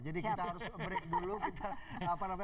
jadi kita harus break dulu